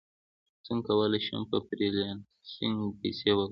څنګه کولی شم په فریلانسینګ پیسې وګټم